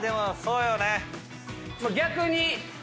逆に。